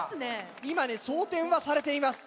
今ね装填はされています。